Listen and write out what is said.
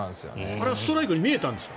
あれがストライクに見えたんですか？